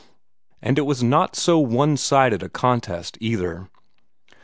And it was not so one sided a contest, either!